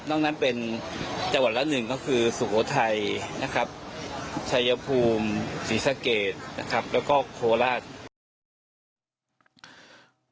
นอกนั้นเป็นจังหวัดละ๑ก็คือสุโขทัยชัยภูมิศรีสะเกตแล้วก็โคราช